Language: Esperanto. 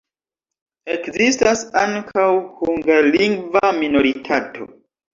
Ekzistas ankaŭ hungarlingva minoritato.